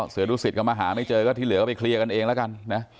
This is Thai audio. เสือดุสิตก็มาหาไม่เจอก็ที่เหลือก็ไปเคลียร์กันเองแล้วกันนะ